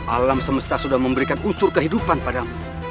alam semesta sudah memberikan unsur kehidupan padamu